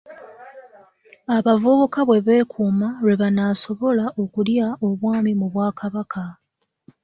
Abavubuka bwe beekuuma lwe banaasobola okulya Obwami mu Bwakabaka.